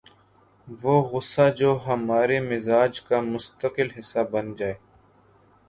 وہ غصہ جو ہمارے مزاج کا مستقل حصہ بن جائے